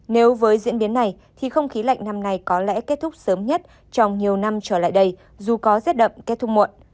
nếu với diễn biến này thì không khí lạnh năm nay có lẽ kết thúc sớm nhất trong nhiều năm trở lại đây dù có rét đậm kết thúc muộn